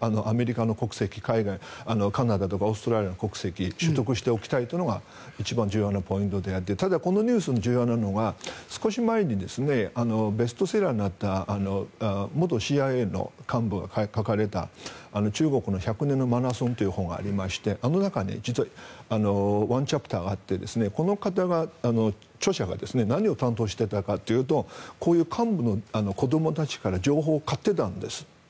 アメリカとかカナダの国籍とかオーストラリア、カナダの国籍を取得しておきたいというのが一番重要なポイントであってただ、このニュースで重要なのは少し前にベストセラーになった元ＣＩＡの幹部が書かれた「中国の百年のマラソン」という本がありましてあの中に実はワンチャプターがあってこの方が著者が何を担当していたかというとこういう幹部の人たちから情報を買っていたんです。